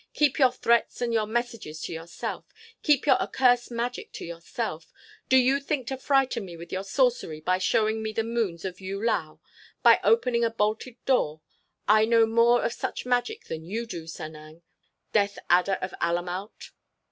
Keep your threats and your messages to yourself! Keep your accursed magic to yourself! Do you think to frighten me with your sorcery by showing me the Moons of Yu lao?—by opening a bolted door? I know more of such magic than do you, Sanang—Death Adder of Alamout!"